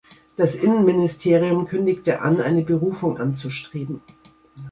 Das Innenministerium kündigte an, eine Berufung anzustreben.